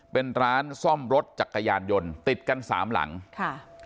เป็นร้านซ่อมรถจักรยานยนต์ติดกันสามหลังค่ะ